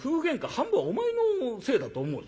半分お前のせいだと思うぞ。